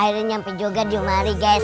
air nyampe juga di umari guys